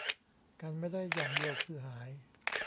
กันไม่ได้อย่างเดียวคือหาย